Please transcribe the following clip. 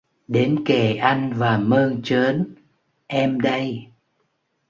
đến kề anh và mơn trớn:" Em đây! "